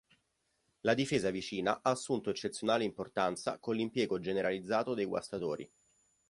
La difesa vicina ha assunto eccezionale importanza con l'impiego generalizzato dei guastatori.